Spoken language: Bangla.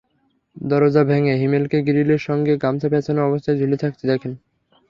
দরজা ভেঙে হিমেলকে গ্রিলের সঙ্গে গামছা প্যাঁচানো অবস্থায় ঝুলে থাকতে দেখেন।